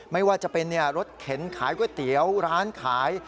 ไม่ว่าจะเป็นรถเข็นขายก๋วยเตี๋ยวร้านขาย